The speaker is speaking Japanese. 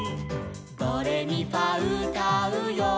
「ドレミファうたうよ」